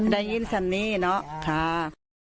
ได้ยินสำนีย์เนอะ